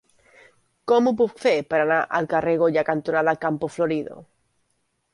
Com ho puc fer per anar al carrer Goya cantonada Campo Florido?